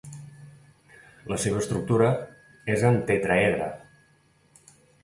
La seva estructura és en tetraedre.